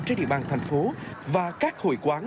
trên địa bàn thành phố và các hội quán